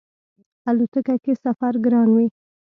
الوتکه کی سفر ګران وی